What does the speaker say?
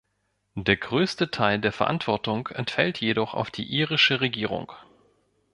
Der größte Teil der Verantwortung entfällt jedoch auf die irische Regierung.